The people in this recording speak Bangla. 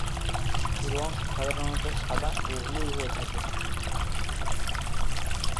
রঙ সাধারণত সাদা ও হলুদ হয়ে থাকে।